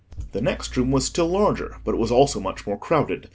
The next room was still larger, but it was also much more crowded.